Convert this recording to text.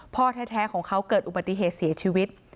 พ่อแท้ของเขาเกิดอุบัติเหตุเสียชีวิต